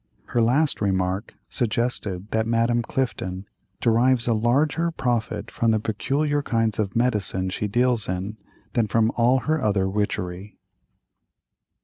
Her last remark suggested that Madame Clifton derives a larger profit from the peculiar kinds of "medicine" she deals in, than from all her other witchery.